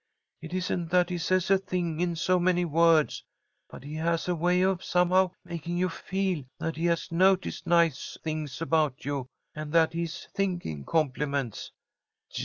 It isn't that he says a thing in so many words, but he has a way of somehow making you feel that he has noticed nice things about you, and that he is thinking compliments."